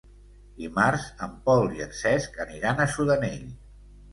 Dimarts en Pol i en Cesc aniran a Sudanell.